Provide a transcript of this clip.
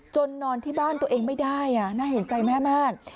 นอนที่บ้านตัวเองไม่ได้น่าเห็นใจแม่มาก